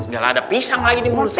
gak ada pisang lagi nih menurut saya